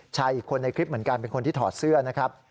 อีกคนในคลิปเหมือนกันเป็นคนที่ถอดเสื้อนะครับ